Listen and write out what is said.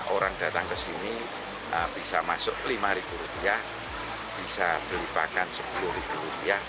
orang datang ke sini bisa masuk lima ribu rupiah bisa beli pakan sepuluh ribu rupiah